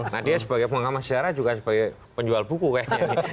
nah dia sebagai pengamat sejarah juga sebagai penjual buku kayaknya